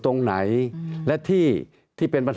ตั้งแต่เริ่มมีเรื่องแล้ว